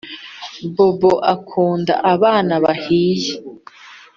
bobo akunda abana bahiye